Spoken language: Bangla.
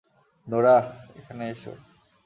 নোরাহ, এখানে এসো!